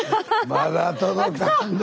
まだ届かんで。